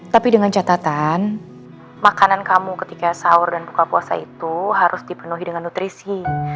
tapi dengan catatan makanan kamu ketika sahur dan buka puasa itu harus dipenuhi dengan nutrisi